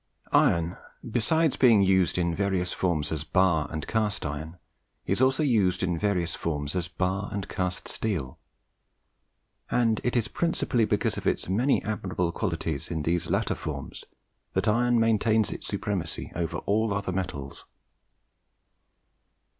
Iron, besides being used in various forms as bar and cast iron, is also used in various forms as bar and cast steel; and it is principally because of its many admirable qualities in these latter forms that iron maintains its supremacy over all the other metals.